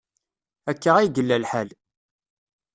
Akka ay yella lḥal.